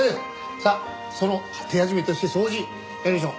さあその手始めとして掃除やりましょう。